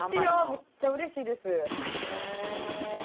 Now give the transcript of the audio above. むっちゃうれしいです」